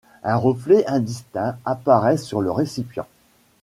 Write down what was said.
Un reflet indistinct apparaît sur le récipient.